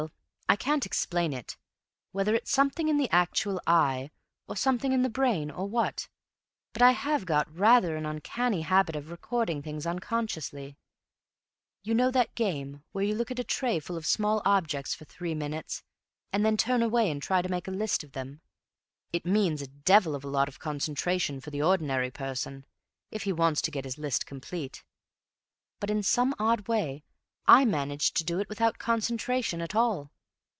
"Well, I can't explain it, whether it's something in the actual eye, or something in the brain, or what, but I have got rather an uncanny habit of recording things unconsciously. You know that game where you look at a tray full of small objects for three minutes, and then turn away and try to make a list of them. It means a devil of a lot of concentration for the ordinary person, if he wants to get his list complete, but in some odd way I manage to do it without concentration at all.